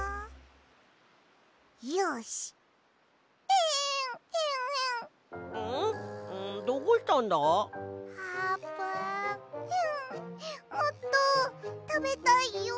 エンもっとたべたいよ。